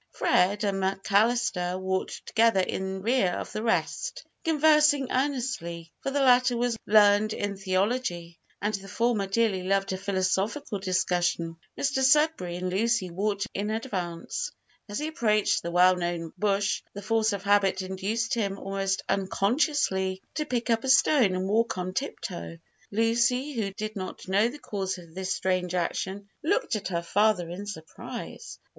Fred and McAllister walked together in rear of the rest, conversing earnestly, for the latter was learned in theology, and the former dearly loved a philosophical discussion. Mr Sudberry and Lucy walked in advance. As he approached the well known bush, the force of habit induced him almost unconsciously to pick up a stone and walk on tip toe. Lucy, who did not know the cause of this strange action, looked at her father in surprise.